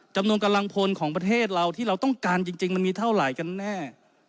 กำลังพลของประเทศเราที่เราต้องการจริงมันมีเท่าไหร่กันแน่